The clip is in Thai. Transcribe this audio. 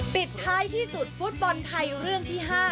ปิดท้ายที่สุดฟุตบอลไทยเรื่องที่๕